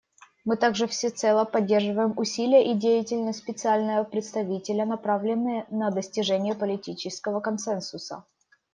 Мы также всецело поддерживаем усилия и деятельность Специального представителя, направленные на достижение политического консенсуса.